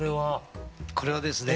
これはですね